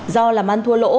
do làm ăn thua lỗ